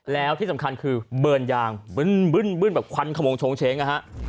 แล้วที่สำคัญคือเบิร์นยางบึ้นบึ้นบึ้นแบบควันขมงโชงเชงอ่ะฮะ